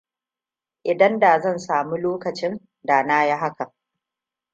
Idan da zan sami lokacin, da na yi hakan.